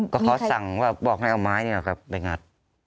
ก็เค้าสั่งบอกให้เอาไม้เนี่ยครับกลายงัด